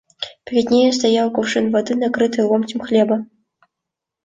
Перед нею стоял кувшин воды, накрытый ломтем хлеба.